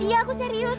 iya aku serius